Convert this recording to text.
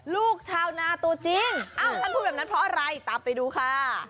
ลูกชาวนาตัวจริงท่านพูดแบบนั้นเพราะอะไรตามไปดูค่ะ